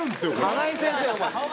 金井先生お前。